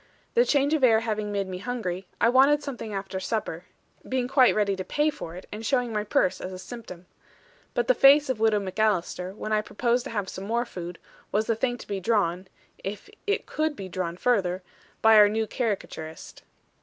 The change of air having made me hungry, I wanted something after supper; being quite ready to pay for it, and showing my purse as a symptom. But the face of Widow MacAlister, when I proposed to have some more food, was a thing to be drawn (if it could be drawn further) by our new caricaturist.